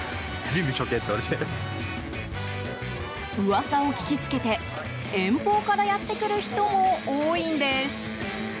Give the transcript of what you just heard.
噂を聞きつけて遠方からやってくる人も多いんです。